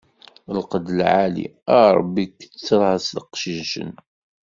Lqed lɛali, a Ṛebbi ketter-as iqcicen.